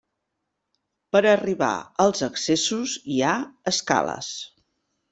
Per arribar als accessos hi ha escales.